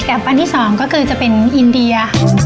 อันที่สองก็จะเป็นอินเดีย